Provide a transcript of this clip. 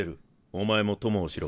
お前も供をしろ。